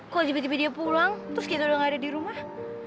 kalau tiba tiba dia pulang terus kita udah gak ada di rumah